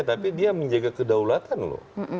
tapi dia menjaga kedaulatan loh